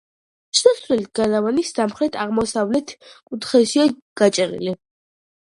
შესასვლელი გალავნის სამხრეთ-აღმოსავლეთ კუთხეშია გაჭრილი.